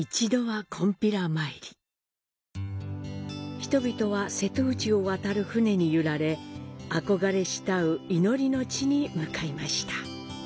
人々は瀬戸内を渡る船に揺られ憧れ慕う祈りの地に向かいました。